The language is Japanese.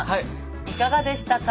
いかがでしたか？